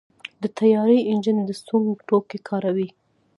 د طیارې انجن د سونګ توکي کاروي.